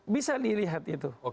bisa dilihat itu